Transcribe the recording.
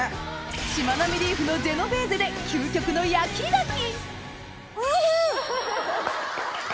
しまなみリーフのジェノベーゼで究極の焼き牡蠣！